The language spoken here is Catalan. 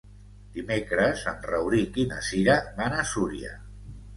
Dimecres en Rauric i na Cira van a Súria.